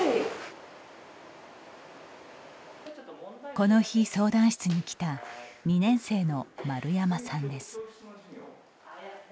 この日、相談室に来た２年生の丸山さんです。